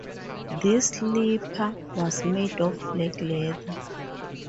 This slipper was made of black leather.